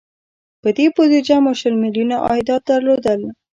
په دې بودجه مو شل میلیونه عایدات درلودل.